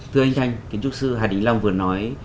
thưa anh thanh kiến trúc sư hà đình long vừa nói